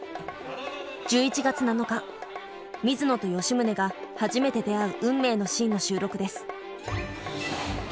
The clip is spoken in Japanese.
１１月７日水野と吉宗が初めて出会う運命のシーンの収録です。